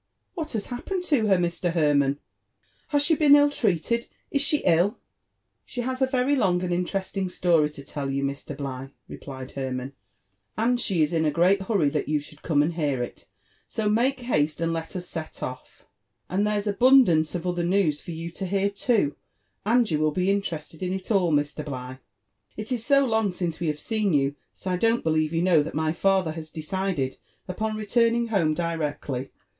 What has happened Co her, Mr. Hermann 1 Has she been ill treated ?— ^Is she ill ?"She has a very long and interesting story to tell you, Mr. Bligh," replied Hermann, *' and slie is in a great hurry that you should come and hear it ^so make haste and let us set off. And there's abundance of other news for you to hear too, and you will be interested in it all, Mr. Bligh. It is so long since we have seen you, that I don't believe you know that my father has decided upon returning home directly.